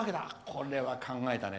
これは考えたね。